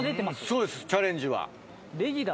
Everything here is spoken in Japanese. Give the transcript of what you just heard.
そうですチャレンジは。